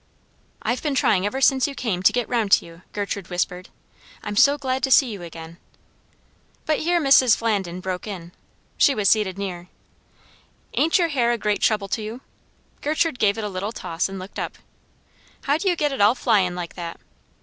"I've been trying ever since you came to get round to you," Gertrude whispered. "I'm so glad to see you again." But here Mrs. Flandin broke in. She was seated near. "Ain't your hair a great trouble to you?" Gertrude gave it a little toss and looked up. "How do you get it all flying like that?"